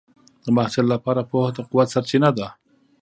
د محصل لپاره پوهه د قوت سرچینه ده.